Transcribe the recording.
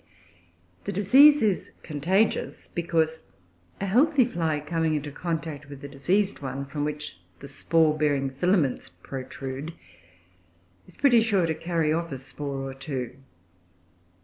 The disease is "contagious," because a healthy fly coming in contact with a diseased one, from which the spore bearing filaments protrude, is pretty sure to carry off a spore or two.